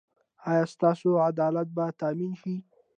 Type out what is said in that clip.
ایا ستاسو عدالت به تامین شي؟